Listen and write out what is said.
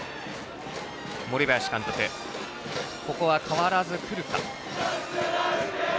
森林監督、ここは変わらずくるか。